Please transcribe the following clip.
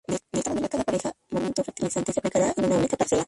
De esta manera cada pareja momento-fertilizante se aplicará en una única parcela.